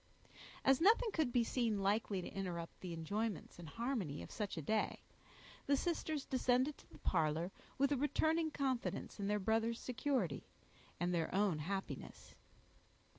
As nothing could be seen likely to interrupt the enjoyments and harmony of such a day, the sisters descended to the parlor, with a returning confidence in their brother's security, and their own happiness.